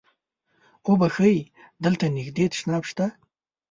اوبښئ! دلته نږدې تشناب شته؟